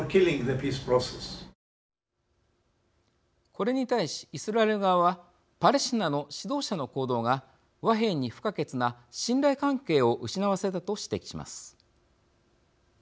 これに対しイスラエル側はパレスチナの指導者の行動が和平に不可欠な信頼関係を失わせたと指摘します。